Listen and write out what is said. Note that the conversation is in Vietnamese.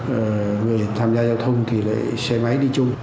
và người tham gia giao thông thì lại xe máy đi chung